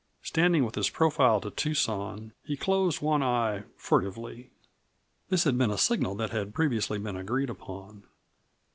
Standing with his profile to Tucson, he closed one eye furtively. This had been a signal that had previously been agreed upon.